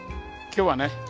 今日はね